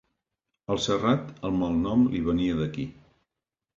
Al Serrat el malnom li venia d'aquí.